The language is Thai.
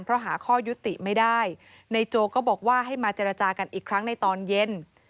เพราะหาข้อยุติไม่ได้ในโจก็บอกว่าให้มาเจรจากันอีกครั้งในตอนเย็น